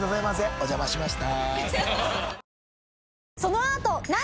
お邪魔しました。